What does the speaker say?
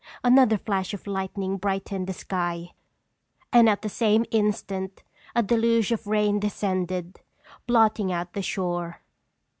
Another flash of lightning brightened the sky and at the same instant a deluge of rain descended, blotting out the shore.